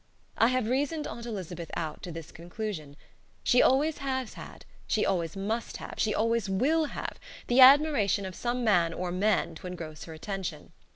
I have reasoned Aunt Elizabeth out to this conclusion: She always has had, she always must have, she always will have, the admiration of some man or men to engross her attention.